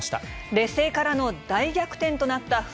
劣勢からの大逆転となった藤